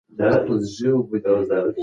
هغه د تاريخي مسووليت احساس درلود.